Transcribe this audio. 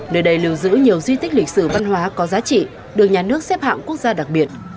nơi đây lưu giữ nhiều di tích lịch sử văn hóa có giá trị được nhà nước xếp hạng quốc gia đặc biệt